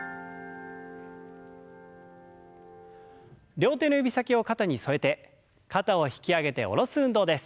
両手の指先を肩に添えて肩を引き上げて下ろす運動です。